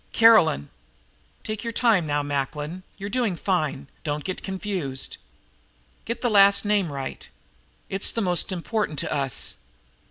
"Caroline." "Take your time now, Macklin, you're doing fine. Don't get confused. Get the last name right. It's the most important to us."